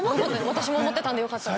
私も思ってたんでよかったです。